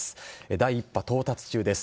第１波到達中です。